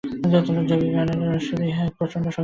যোগিগণের অনুষ্ঠিত ইহা একটি প্রচণ্ড শক্তির খেলা।